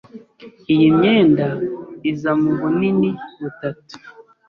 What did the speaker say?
Iyi myenda iza mu bunini butatu.